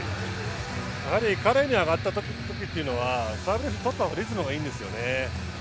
やはり彼に上がった時というのはサーブレシーブ取ったほうがリズムがいいんですよね。